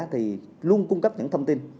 thì luôn cung cấp những thông tin